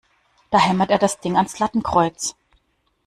Da hämmert er das Ding ans Lattenkreuz!